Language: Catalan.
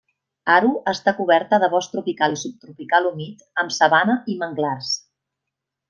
Aru està coberta de bosc tropical i subtropical humit amb sabana i manglars.